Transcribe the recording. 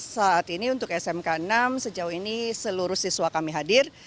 saat ini untuk smk enam sejauh ini seluruh siswa kami hadir